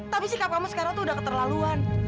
tapi sikap kamu sekarang tuh udah keterlaluan